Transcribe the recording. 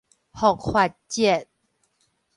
復活節